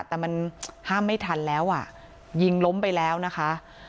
แต่มันห้ามไม่ทันแล้วอ่ะยิงล้มไปแล้วนะคะ